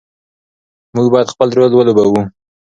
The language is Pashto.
موږ باید خپل رول ولوبوو.